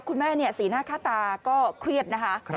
คุณแม่สีหน้าค่าตาก็เครียดนะคะ